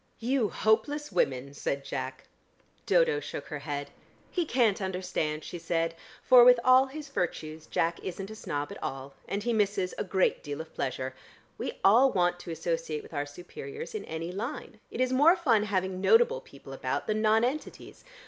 "You hopeless women!" said Jack. Dodo shook her head. "He can't understand," she said, "for with all his virtues Jack isn't a snob at all, and he misses a great deal of pleasure. We all want to associate with our superiors in any line. It is more fun having notable people about than nonentities.